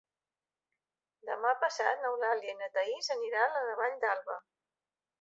Demà passat n'Eulàlia i na Thaís aniran a la Vall d'Alba.